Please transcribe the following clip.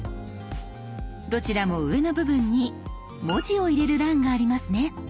どちらも上の部分に文字を入れる欄がありますね。